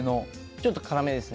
ちょっと辛めです。